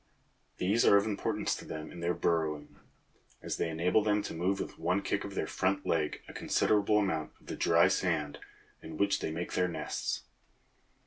These are of importance to them in their burrowing, as they enable them to move with one kick of their front leg a considerable amount of the dry sand in which they make their nests.